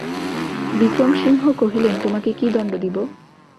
বিক্রমসিংহ কহিলেন, তোমাকে কী দণ্ড দিব?